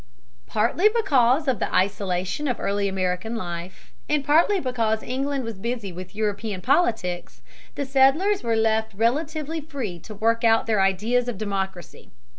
Partly because of the isolation of early American life, and partly because England was busy with European politics, the settlers were left relatively free to work out their ideas of democracy.